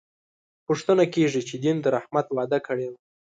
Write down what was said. پوښتنه کېږي چې دین د رحمت وعده کړې وه.